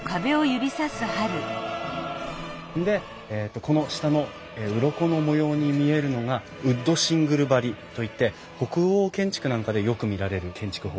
でこの下のうろこの模様に見えるのがウッドシングル張りといって北欧建築なんかでよく見られる建築方法ですね。